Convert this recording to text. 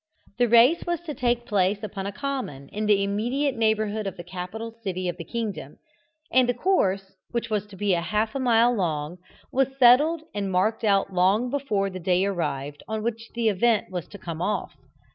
The race was to take place upon a common in the immediate neighbourhood of the capital city of the kingdom, and the course, which was to be half a mile long, was settled and marked out long before the day arrived on which the event was to come off.